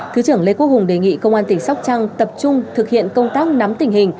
thứ trưởng lê quốc hùng đề nghị công an tỉnh sóc trăng tập trung thực hiện công tác nắm tình hình